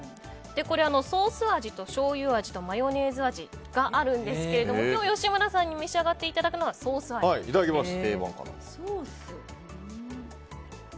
ソース味としょうゆ味とマヨネーズ味があるんですが今日吉村さんに召し上がっていただきますのはいただきます。